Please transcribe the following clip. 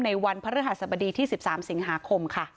ในวันพระราชสัมบดีที่๑๓สิงหาคม